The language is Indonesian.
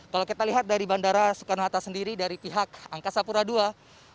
kalau kita lihat dari bandara soekarno hatta sendiri dari pihak angkasa pura ii